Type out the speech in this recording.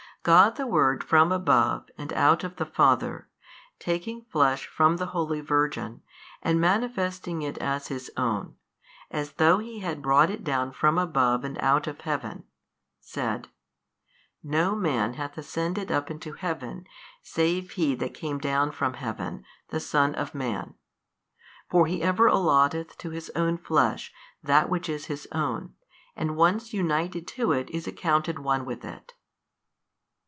God the Word from above and out of the Father, taking flesh from the holy Virgin and manifesting it as His own, as though He had brought it down from above and out of Heaven, said, No man hath ascended up into Heaven, save He That came down from Heaven, the Son of Man: for He ever allotteth to His own Flesh that which is His own, and once united to it is accounted one with it.